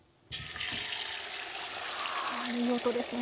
あいい音ですね。